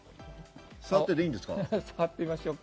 触ってみていいんですか？